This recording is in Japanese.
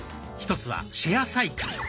１つはシェアサイクル。